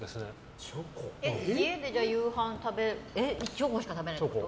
チョコしか食べないってこと？